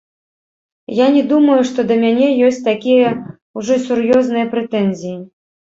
Я не думаю, што да мяне ёсць такія ўжо сур'ёзныя прэтэнзіі.